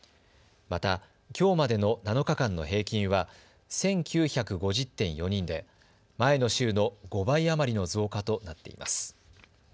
また、きょうまでの７日間の平均は１９５０．４人で前の週の５倍余りの増加となっています。